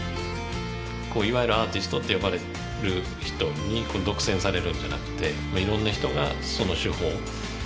いわゆるアーティストって呼ばれる人に独占されるんじゃなくていろんな人がその手法。